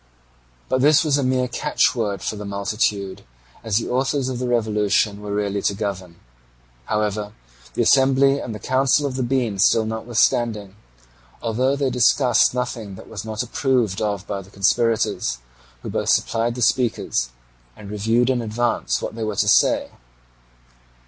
But this was a mere catchword for the multitude, as the authors of the revolution were really to govern. However, the Assembly and the Council of the Bean still met notwithstanding, although they discussed nothing that was not approved of by the conspirators, who both supplied the speakers and reviewed in advance what they were to say.